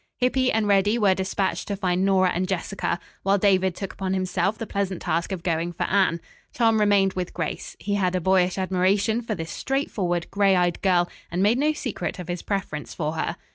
Hippy and Reddy were despatched to find Nora and Jessica. While David took upon himself the pleasant task of going for Anne. Tom remained with Grace. He had a boyish admiration for this straightforward, gray eyed girl and made no secret of his preference for her.